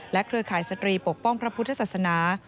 เครือข่ายสตรีปกป้องพระพุทธศาสนา